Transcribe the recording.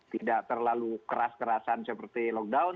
tidak terlalu keras kerasan seperti lockdown